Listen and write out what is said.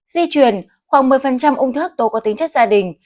di chuyển khoảng một mươi ung thư tố có tính chất gia đình